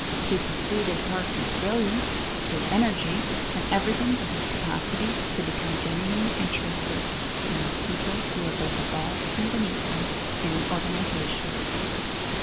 He conceded Parsons' brilliance, his energy, and everything but his capacity to become genuinely interested in the people who were both above and beneath him in the organization.